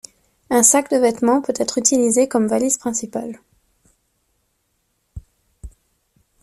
Un sac de vêtement peut être utilisé comme valise principale.